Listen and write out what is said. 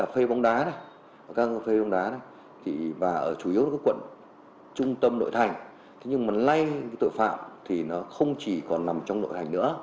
pf slower diễn ra tại các quận trung tâm nội thành nhưng lây active dự án không chỉ nằm trong nội thành